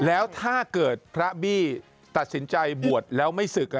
แล้วถ้าเกิดพระบี้ตัดสินใจบวชแล้วไม่ศึก